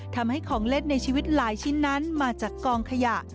ทำให้ของเล่นในชีวิตหลายชิ้นนั้นมาจากกองขยะ